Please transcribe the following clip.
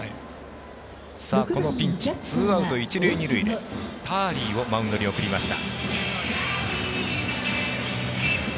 このピンチツーアウト、一塁二塁でターリーをマウンドに送りました。